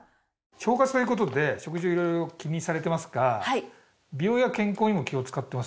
腸活という事で食事を色々気にされてますが美容や健康にも気を使ってますよね？